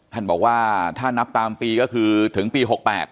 ท่านบอกว่าถ้านับตามปีก็คือถึงปี๖๘